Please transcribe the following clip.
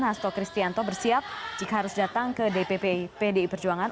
hasto kristianto bersiap jika harus datang ke dpp pdi perjuangan